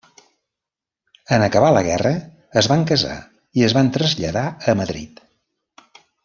En acabar la guerra es van casar i es van traslladar a Madrid.